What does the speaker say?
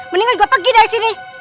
mendingan gue pergi dari sini